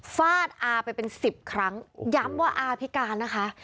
ฟาดอาไปเป็นสิบครั้งย้ำว่าอาพิการนะคะ